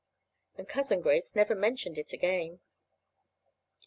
And Cousin Grace never mentioned it again.